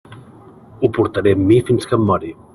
Ho portaré amb mi fins que em mori.